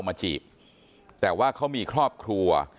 ไม่ตั้งใจครับ